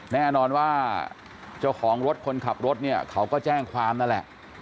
แน่นอนว่าเจ้าของรถคนขับรถเนี่ยเขาก็แจ้งความนั่นแหละ